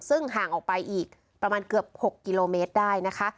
ซึ่งห่างออกไปอีกประมาณเกือบ๖กิโลเมตรได้นะคะ